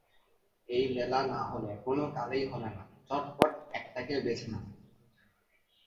এইবেলা না হলে কোনকালেই হবে না, ঝটপট একটাকে বেছে নাও।